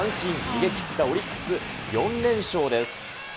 逃げきったオリックス、４連勝です。